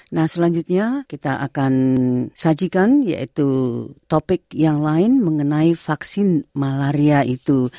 nah selanjutnya kita akan sajikan yaitu topik yang lain mengenai vaksin malaria itu